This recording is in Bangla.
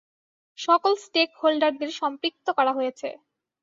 সকল স্টেক হোল্ডারদের সম্পৃক্ত করা হয়েছে।